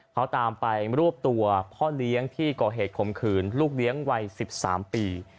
เขาตามไปรวบตัวพ่อเลี้ยงที่ก่อเหตุข่มขืนลูกเลี้ยงวัย๑๓ปี